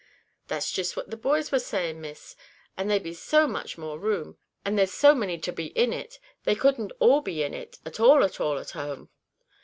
"That's jist what the boys war saying, Miss; and there be so much more room, and there be so many to be in it, they couldn't all be in it, at all at all, at home.